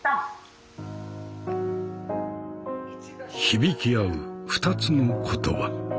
響き合うふたつの言葉。